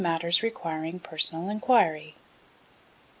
Matters requiring personal enquiry. 11.